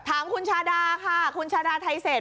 ถามคุณชาดาค่ะคุณชาดาไทเศษ